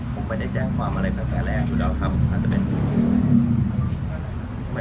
ผมไม่ได้แจ้งความอะไรตั้งแต่แรกอยู่แล้วครับ